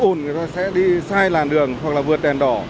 ồn người ta sẽ đi sai làn đường hoặc là vượt đèn đỏ